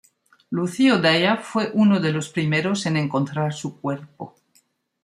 Lucio Dalla fue uno de los primeros en encontrar su cuerpo.